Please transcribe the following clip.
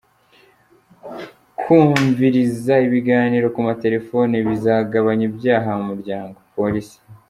Kumviriza ibiganiro ku matelefone bizagabanya ibyaha mu muryango- Polisi